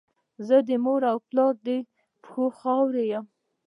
زه د مور او پلار د پښو خاوره یم.